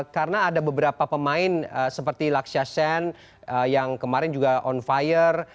karena ada beberapa pemain seperti lakshya sen yang kemarin juga on fire